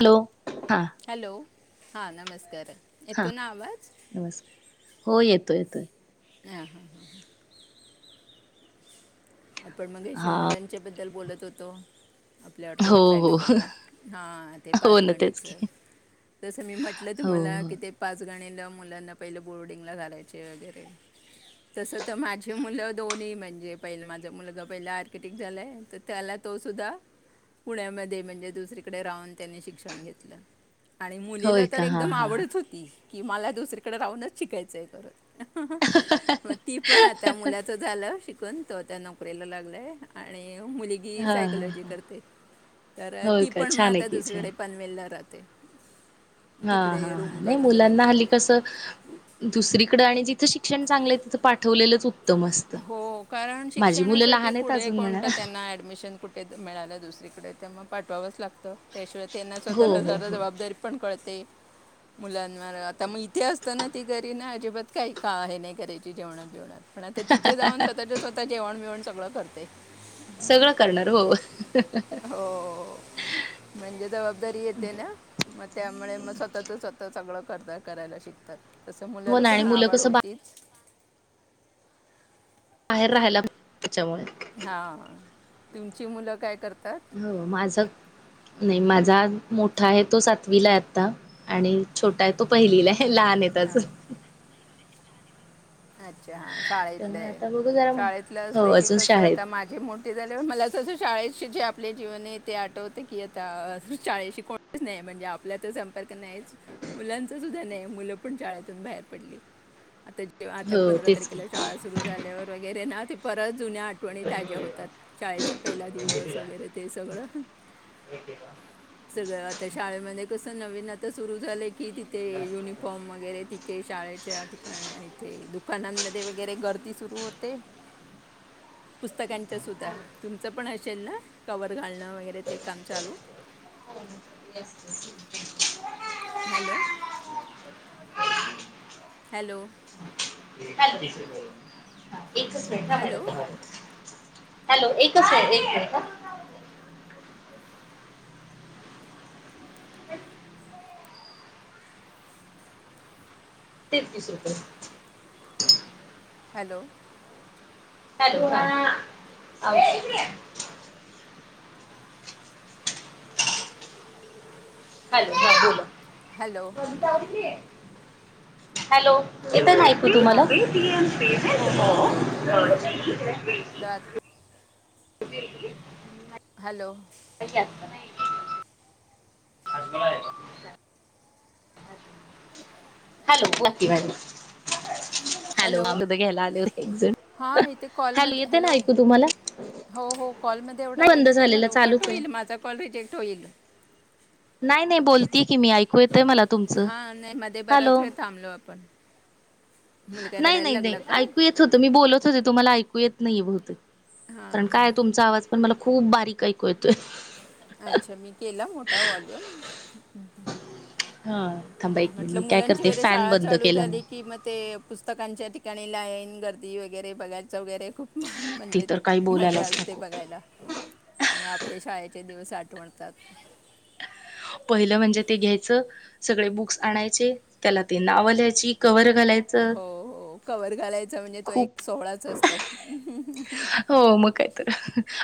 Hello. हा hello, हा नमस्कार. हा, येतो ना आवाज नमस्कार. हो येतो येतोय. हा हा हा हा आपण मग शिव हा मुलांच्या बद्दल बोलत होतो आपलं हो अर्धवट राहिलं हो बोलण हा ते हो ना तेच पाचगणीचं की जसं मी म्हटलं हो तुम्हाला हो कि ते पाचगणी णीला मुलांना पहिला बोर्डिंगला घालायचे वगैरे तसं तर माझी मुलं दोनीही म्हणजे पहिलं मा झा मुलगा पहिला आर्किटेक्ट झालाय तर त्याला तो सुद्धा पुण्यामध्ये म्हणजे दुसरीकडे राहून त्यांनी शिक्षण घेतलं आणि मुलीला होय तर का हा एकदम हा आवडचं होती की, मला दुसरीकडे राहूनचं शिकायचंय परत मग हा ती पण आता मुलाच झालं शिकून तो आता नो करीला लागलाय आणि णि मुलगी हा सायकॉलॉजी हा करते, तर होय ती का पण मग छान आहे आता की छान दुसरीकडे पनवेलला राह ते. हा हा हा नाही मुलांना हल्ली कसं दुसरीकडं आणि जि थं शिक्षण चांगलं तिथं पावलेलंच उत्त हो कारण शिक्षणासाठी लहान आहेत पुढे अजून म्हणा कोणतं त्यांना ऍडमिशन कुठे तर मिळालं दुसरीकडे त्यामुळे पाठवावंच लागतं त्याशिवाय त्यांना हो स्वतःला हो जरा हो जबाबदारी पण कळते. मुलांवर आत्ता मग इथे असताना ती घरी ना अजिबात काही का हे नाही करायची जेवणात बिवनात तर तिथे जाऊन स्वतःच स्वतः जेवण बिवण सगळं करते सगळं करणार हो हो म्हणजे जबाबदारी येते ना मग त्यामुळे म स्वतःच स्वतः सगळं करतात करायला शिकतात तसं हो मुलाला ना पण आणि मुलं आवाड कसं होतीचं बाहेर राहिला ना त्याच्यामुळे हा तुमची मुलं काय करत हो माझं नाही माझा मोठा आहे तो सातवीला आहे आत्ता आणि छोटा आहे तो पहिलीला आहे हि लहान आहेत हां अजून अच्छा हा शाळा इथली त्यामुळे आहे आता बघू जरा मग शाळेतले हो असले की अजून कसं आता शाळेत माझे मोठे झाल्यावर मला तसं शाळेशी जे आपले जीवन आहे ते आठवते की आत्ता शाळेशी कोणचं नाही म्हणजे आपल्या संपर्क नाहीचं, मुलांचा सुद्धा नाही मुलं पण शाळेतून बाहेर पडलीत. आत्ता आता हो पंधरा तेच की. तारखेला शाळा सुरु झाल्यावर वगैरे ना ते परत जुन्या आठ आठवणी ताज्या होतात शाळेचा पहिला दिवस वगैरे ते सगळं सगळं तर शाळेमध्ये कसं नवीन आता सुरु झालंय की तिथे युनिफॉर्म वगैरे ति ते शाळेच्या ठिकाणी इथे दुकानांमध्ये वगैरे गर्दी सुरु होते [unintelligible] पुस्तकांच्या सुद्धा तुमचं पण असेल ना कवर घालणं वगैरे ते काम चालू [inaudible] [unintelligible] हॅलो हॅलो एकच मिनिट हा हॅलो मॅडम हॅलो एकच आहे एक मिनिट हा तेहतीस रुपये हॅलो हॅलो आवाज बोला हॅलो हॅलो येत ना ऐकू तुम्हाला हां हो हो येते येते म्हटलं आत- हॅलो हॅलो नक्की भाई हॅलो अग घ्यायला आले होतेज हां इथे हॅलो कॉलमध्ये येते ना ऐकू तुम्हाला हो हो कॉलमध्ये एवढा नाही वेळ बंद नका झालेला घालव कट चालूच आहे. होईल माझा कॉल रिजेक्ट होईल नाही नाही बोलतय की मी ऐकूया हा नाही मध्ये बरा्याच वेळ थांबलो आपण मुलगा नाही रडायला नाही नाही लागला का ऐकू येत होत मी बोलत होते तुम्हाला ऐकू येत नाही बहते हां कारण हां काय तुमचा आवाज पण मला खूप बारीक ऐकू येतोय अच्छा मी केला मोठा वॉल्यूम हा थांबा एक मिनिट म्हटल मी काय मुलांची करते वैगेरे फॅन शाळा बंद चालू केला मी झाली कि म ते पुस्तकांच्या ठिकाणी लाईन गर्दी वगैरे बघायचं वगैरे खूप ते म्हणजे तर काही मजा बोलायलाच असते नको बघायला आणि आपल्या शाळ चे दिवस आठवणतात पहिलं म्हणजे ते घ्यायचं सगळे बुक्स आणायचे त्याला ते नाव लिहायची कव्हर हो हो कवर घालायचा म्हणजे तो एक खूप सोहळाच असतो. हो मग कायतर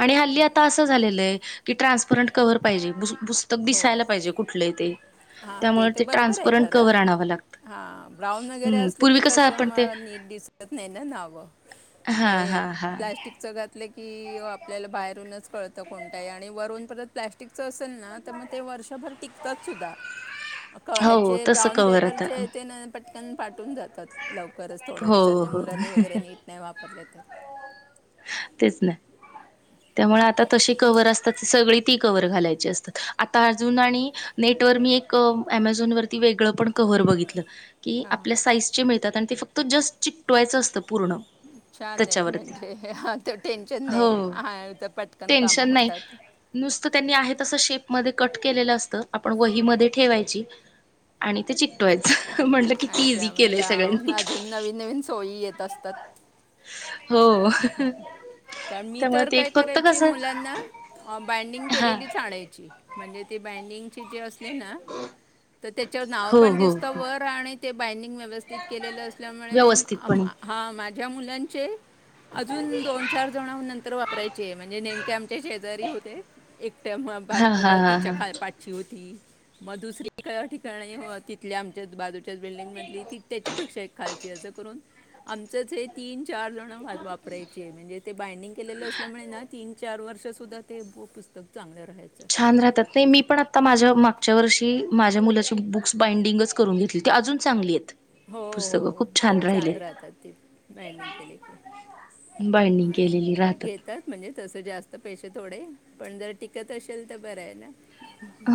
आणि हल्ली आता असं झालेलं आहे कि ट्रान्सपरंट कव्हर पाहिजे पुस्तक दिसायला पाहिजे कुठलंही ते हा ते त्यामुळे तर बरोबर आहे ट्रान्सपरंट खरं कव्हर आणावं लागतं हा ब्राउन वगैरे हम्म असले की पूर्वी कसं कस आपण म ते नीट दिसत नाही ना नाव हा हा हा. प्लॅस्टिक चं घातलं की आपल्याला बाहेरूनच कळतं कोणतं आहे आणि वरून परत प्लास्टिकचं अस मग ते वर्षभर टिकतात सुद्धा हो तसं ब्राउन कवर आता पेपरचे पाठून जातात लव करच थोड्या हो दिवसांत म्हणजे हो मुलांनी वगैरे नीट नाही वापरले तर. तेच नाही त्यामुळे आता तर तशी कवर असतात सगळी ती कवर घालायची असतात आता अजून आणि नेटवर व मी एक अमेझॉन वर वेगळ पण कवर कवर बघितलं हां आपल्या साईज ची मिळतात आणि फक्त जस्ट चितकवायची असतं. पूर्ण त्याच्यावरती हा टेन्शन हो नाही हा तर पटकन कामं टेन्शन नाही होतात. नुसतं त्यांनी आहे तसं शेपमध्ये कट केलेलं असत आपण वहीमध्ये ठेवायची आणि ते चिकटवायचं म्हटलं किती इझी अच्छा म्हणजे केलंय सगळ्यांनी अ अजून नवीन नवीन सोयी येत असतात. हो. कारण मी त्यामुळे तर ते एक काय फक्त करायची कसं मुलांना बाइंडिंग हा केलेली आणायची म्हणजे ती बायंडिंग बाईडिंग असते ना तर त्याच्यावर नाव हो पण हो दिसत वर आणि ते बाइंडिंग व्यवस्थित केलेलं असल्यामुळे व्यवस्थितपणे हा माझ्या मुलाचे अजून दोन चार जण नंतर वापरायची आहे म्हणजे नेमके आमच्या शेजारी होते तेव्हा हा हा बाजूला हा तिच्या हा काय पाठची होती. मग दुसरी ठिकाणी तिथल्या आमच्या बाजूच्या बिल्डिंग मधली ती त्याच्यापेक्षा एक खालची अस करून आमच तीन चार वापरायची म्हणजे ते बायंडिंग केलेलं असल्यामुळे तीन चार वर्ष सुद्धा ते पुस्तक चांगलं राहायचं छान राहतात नाही मी पण आता माझ्या माग मागच्या वर्षी माझ्या मुलाची बुक्स बाइंडिंगच करून घेतली ती अजून चांगली आहेत. हो हो खूप छान राहतात ती बाईडिंग केली की बॅण्डिंग केलेली राहतात. तस जास्त पैसे थोडे पण जर टिकत असेल तर बरं आहे ना.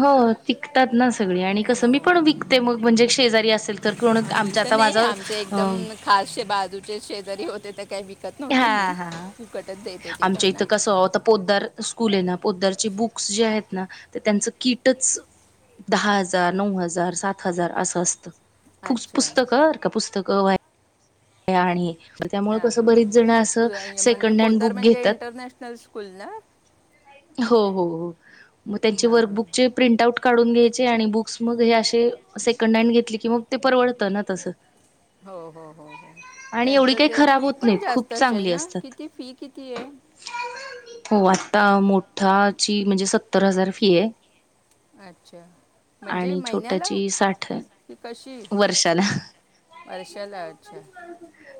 हो टीकतात ना. सग आणि कसं मी पण हो विकते मग म्हणजे शेजारी असेल तर को हा मी आमच्या तर आता नाही माझं आमचे अ एकदम बाजूचे शेजरी होते तर काही विकत नव्हती हा मी हा फुकटच देत होती आमच्या त्यांना इथं कस आता पोददार स्कूल आहे ना पदरचे बुक्स जे आहेत ना तर त्यांचं कीटच दहा हजार नऊ हजार सात हजार असं असतं. अच्छा पुस्तकंर का पुस्तक आणि हा कसं हा बरीच जण असं हा म्हणजे सेकंड हँड पोदर बुक म्हणजे घेतात. इंटरनॅशनल स्कूल ना. [unintelligible] हो हो हो मग त्यांचे हां वर्कबुक चे प्रिंटउट काढून घ्याय आणि बुक्स मग हे असे सेकंड हड घेतले की मग ते परवडतं ना तस हो हो हो हो त्यांचं काही ते खराब फी होत पण नाहीत जास्त खूप असेल चांगली ना असतात. किती फी किती आहे. [unintelligible] ता मोठाची म्हणजे सत्तर हजार फी आहे. अच्छा म्हणजे आणि महिन्याला छोट्याची साठ की कशी वर्षाला. वर्षाला अच्छा.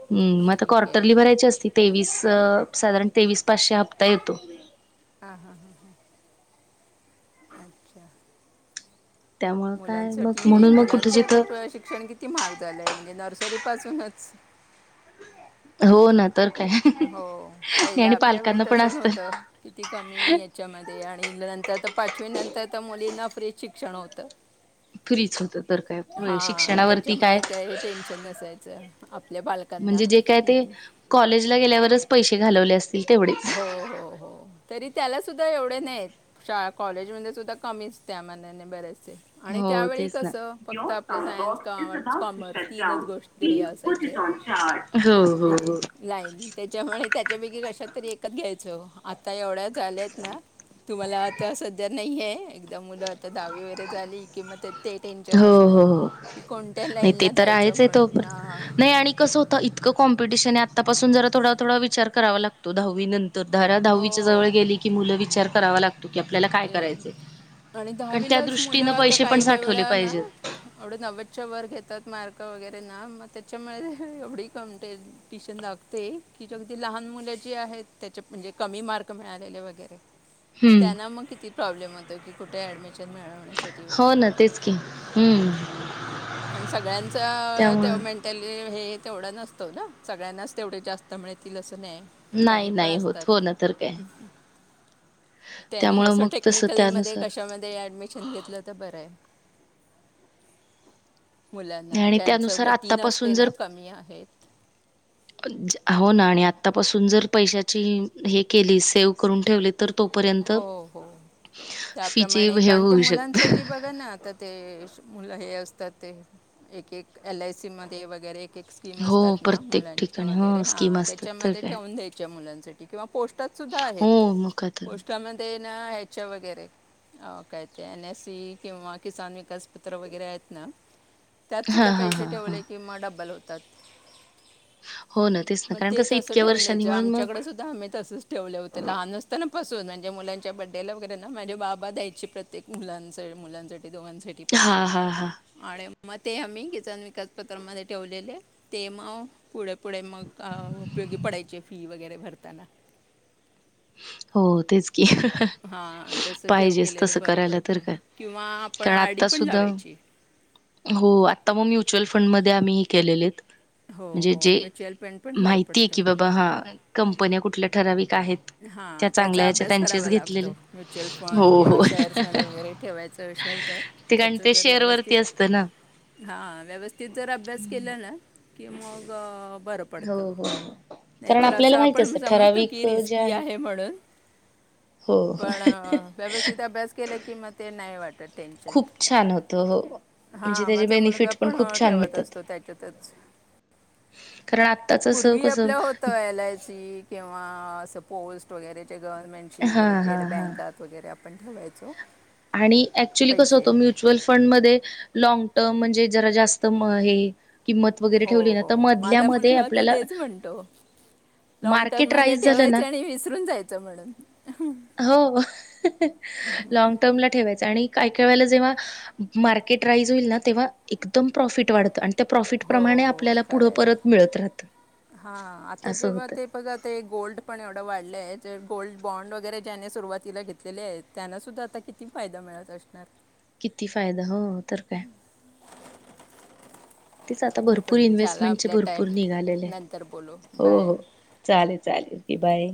हम् मग आता ठीक आहे क्वर््टरली भरायची असती तेवीस साधारण तेवीस पाचशे हप्ता येतो हा अच्छा त्यामुळं काय मग मुलांसाठी हे म्हणून मग कुठं मुलांच जिथं आता शिक्षण किती महाग झालंय म्हणजे नर्सरी पजूनच हो ना तर काय हो नाही पहिला आणि आपल्या वेळी पालकांना पण तं असतं नव्हतं किती कमी याच्यामध्ये आणि नंतर पाचवी नंतर मुलींना फ्री शिक्षण होत फ्रीच होतं तर काय हा शिक्षणावरती काय त्याच्यामुळे का टेनशन नसायचं आपल्या बालका म्हणजे जे काय ते कॉलेजला गेल्यावरच पैसे घालवले असात हो हो हो तरी त्यालाच सुद्धा एवढे नाहीत शा कॉलेजमध्येध्ये सुद्धा कमीच त्या मना बरेच आणि हो त्यावेळी तेच ना कसं फक्त आपलं सायन्स कमर्टस कॉमर्स तीनच गोष्टी हे असायच हो हो हो त्याच्यामुळे त्याच्या कश घ्यायच आता एवढ्या झाल्यात ना तुम्हाला आता सध्या नाहीये एकदा मुलं आता दहावी वगरे झाली किंत ते टेन्शन हो असणार हो हो कि कोणत्या नाही लाईन ते ला तर जायचं आहेच म्हणून ना इतंॉ्पिटिशन आहे आतापासून जरा थोडा थडा विचार करावा लागतो दहावी नंतर तर धरा दहावीच्या हो जवळ गेली की मुलं विचार करावा लागत की आपल्याला काय ते करायच आणि कारण त्या दृष्टीन पैसे पण साठवले पाहिजेत. एवढे नव्वदच्या वर घेतात मार्क वगैरे ना मग त्याच्यामुळे एवढी क टशन लागते की जगदी लहान मुलाची आहे त्या म्हणजे क मार्क मिळाले वगैरे हम्म. त्यांना मग किती प्रॉब्लेम होत की कुठे ऍडमिशन मिवण्यासाठी हो वगैरे ना तेच की हम्म कारण सगळ्यांच त्यामुळं मेंटली तेवढ नतो ना सगळ्यांनाच तेव जास्त नाही नाही कमी पण नाही होत असतात हो ना तर काय त्यांनी त्यामुळं असं मग तसं टेक्निकल मध्ये त्यानुसार कशामध्ये ऍडमिशन घेतलं तर बरं आहे मुलांना आणि ज्यांचं त्यानुसार गती नसते आतापासून जर ना कमी आहेत हो ना आणि आ आतापासून जर पैशाची हे केली सेव्ह करून ठेवली तर तोपर्यंत हो हो फीची त्याप्रमाणे हे कारण ते होऊ शकते. मुलांसाठी बघा ना आता ते मुलं हे असतात ते एक एक एल आय सी मध्ये वगैरे एक म हो असतात ना प्रत्येक मुलांच्या ठिकाणी वगैरे हो स्कीम हा असतात तर त्याच्यामध्ये काय ठेवून द्यायच्या मुलांसाठी किंवा पोस् हो मका तर मध्ये ना ह्याच्या वगैरे अ काय ते एन एस सी किंवा किसान विकास पत्र वगैरे आहेत ना त्यात सुद्धा हां, हां, पैसे हां, हां. ठेवले किं मं डब्बा लुटतात [unintelligible] तेच ना मग कारण ते कसं तसं इतक्या ठेवून वर्षांनी द्यायचय म्हणून मग आमच्याकडे सुद्धा आम्ही तसच ठेवले होतें लहान असताना पासून च्या मुलांच्या बड्डेला वगैरे ना माझे बाबा द्यायची प्रत्येक मुलां मुलांसाठी ते दोघांसाठी पहिजे हां, हां, हां. आणि मग ते आम्ही किचन विकास पत्रामध्ये ठेवलेले ते मग पुढे पुढे मग [unintelligible] अ उपयोगी पडायचे फी वगैरे भरताना. हो! तेच की हं हं हां तसं ठेव पाहिजेच तस केलेलं बरं करायला तर पडतं का किंवा आपण कारण आर आता सुद्धा [unintelligible] हो आता मग म्युच्युअल फंड मध्ये आम्ही केलेलेत हो म्हणजे हो जे म्युच्युअल फंड पण बरं माहिती पडतं की बाबा हा कंपन्या कुठल्या ठराविक आहेत! त्या हा चांगल्या त्याचा ह्याच्या अभ्यास त्यांचेच करावा घेतलेले लागतो, म्युच्युअल हो, फंड किंवा हो शेअर्स मध्ये वगैरे ठेवायचा विषय ते कारण त्याच ते जर शेअरवरती असतं ना. व्यवस्थित हा व्यवस्थित जर अभ्यास केला ना, की मग बर हो हो, कारण आपल्याला माहित असतय ठराविक कि आहेत आहे म्हणून हो पण व्यवस्थित अभ्यास केला कि, मग ते नाही वाटत. खूप छान होत हो हो. हा म्हणजे त्याचे माझा मुलगा बेनिफिट्स पण खूप छान ठेवत मिळतात असतो त्याच्यातच. कारण आत्ताच असं पूर्वी कसं आपल्या होत एल आय सी किंवा असं पोस्ट वगैरे. गव्हर्नमेंटची हा हा रिलेटेड हा बँकात वगैरे आपण ठेवायचो. आणि ऍक्च्युअली कस होत, पैसे म्युच्युअल फंड मध्ये लॉन्ग टर्म म्हणजे जरा जास्त म हे किंमत वगैरे हो ठेवली ना, हो तर मधल्या माझा मध्ये मुलगा तर आपल्याला तेच म्हणतो लॉंग टर्म मार्केट मध्ये राईज झालं ठेवायच, ना आणि विसरून जायचं म्हणून हो, लॉन्ग टर्म ला ठेवायचं आणि काय काय जेव्हा मार्केट राईज होईल ना, तेव्हा एकदम प्रॉफिट वाढत आणि त्या प्रॉफिट हो प्रमाणे आपल्याला पुढं परत मिळत राहतं. हा, आता असं जेव्हा होतं. ते बघा ते गोल्ड पण एवढं वाढले आहेत. गोल्ड बॉन्ड वगैरे ज्याने सुरुवातीला घेतलेले आहेत, त्यांना सुद्धा आता किती फायदा मिळत असणार. किती फायदा हो तर काय? तीच आता भरपूर आपण झाला इन्व्हेस्टमेंट चे आपला टाईम भरपूर निघालेले. नंतर बोलू हो बाय हो चालेल, चालेल की बाय!